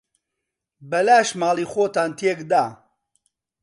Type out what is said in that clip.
بەلاش ماڵی خۆتان تێک دا.